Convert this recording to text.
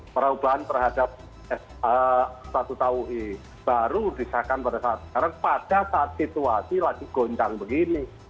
perubahan terhadap statuta ui baru disahkan pada saat sekarang pada saat situasi lagi goncang begini